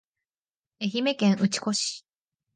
愛媛県内子町